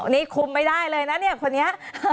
นี่คุมไม่ได้เลยนะเนี่ยคนนี้